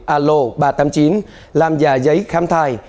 alo ba trăm tám mươi chín làm giả giấy khám thai